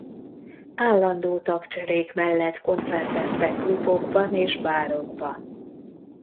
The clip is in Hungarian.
Állandó tagcserék mellett koncerteztek klubokban és bárokban.